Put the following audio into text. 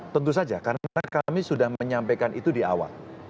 tentu saja karena kami sudah menyampaikan itu di awal